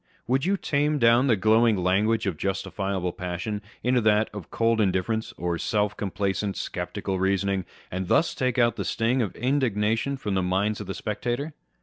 Would you tame down the glowing language of justifiable passion into that of cold indifference, of self complacent, sceptical reasoning, and thus take out the sting of indignation from the mind of the spectator?